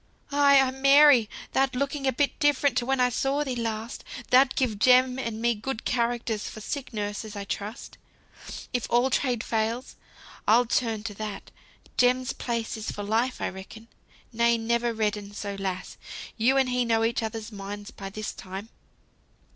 "Ay, ay, Mary! thou'rt looking a bit different to when I saw thee last. Thou'lt give Jem and me good characters for sick nurses, I trust. If all trades fail, I'll turn to that. Jem's place is for life, I reckon. Nay, never redden so, lass. You and he know each other's minds by this time!"